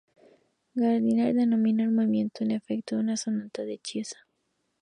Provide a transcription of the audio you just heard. Gardiner denomina el movimiento "en efecto una "sonata da chiesa"".